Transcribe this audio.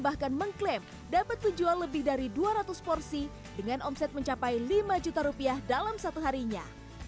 bahkan mengklaim dapat menjual lebih dari dua ratus porsi dengan omset mencapai lima juta rupiah dalam satu harinya